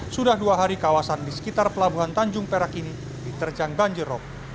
sudah dua hari kawasan di sekitar pelabuhan tanjung perak ini diterjang banjirop